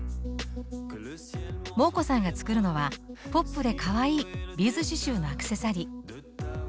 モー子さんが作るのはポップでかわいいビーズ刺しゅうのアクセサリー。